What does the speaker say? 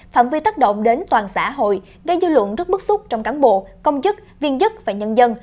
phạm vi tác động đến toàn xã hội gây dư luận rất bức xúc trong cán bộ công chức viên chức và nhân dân